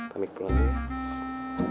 kamik pulang dulu ya